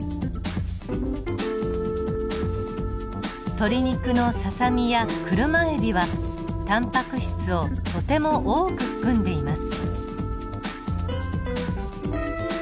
鶏肉のささみやクルマエビはタンパク質をとても多く含んでいます。